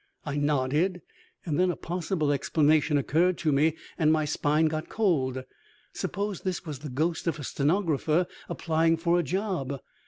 I nodded, and then a possible explanation occurred to me and my spine got cold. Suppose this was the ghost of a stenographer applying for a job!